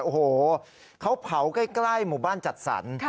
โอ้โหเขาเผาใกล้หมู่บ้านจัดสรร